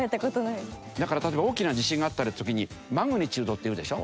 だから例えば大きな地震があった時にマグニチュードっていうでしょ。